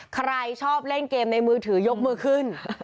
ใครชอบเล่นเกมในมือถือยกมือขึ้น